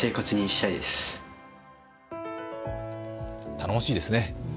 頼もしいですね。